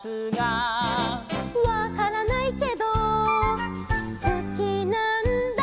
「わからないけどすきなんだ」